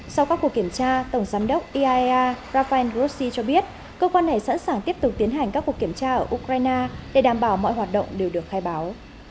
sau các cuộc kiểm tra tổng giám đốc iaea rafael grossi cho biết cơ quan này sẵn sàng tiếp tục tiến hành các cuộc kiểm tra ở ukraine để đảm bảo mọi hoạt động đều được khai báo